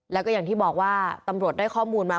แล้วก็อย่างที่บอกว่าตำรวจได้ข้อมูลมา